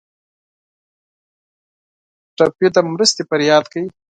ټپي د مرستې فریاد کوي.